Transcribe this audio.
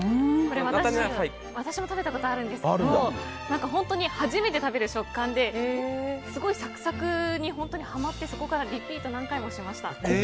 私も食べたことあるんですけど本当に初めて食べる食感ですごいサクサクに本当にハマって何回もリピートしました。